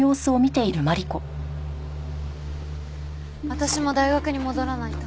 私も大学に戻らないと。